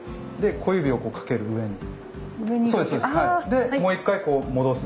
でもう一回こう戻す。